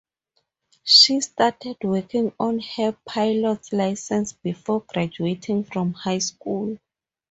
She started working on her pilot's license before graduating from high school.